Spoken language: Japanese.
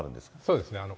そうですね。